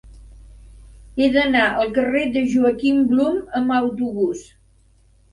He d'anar al carrer de Joaquim Blume amb autobús.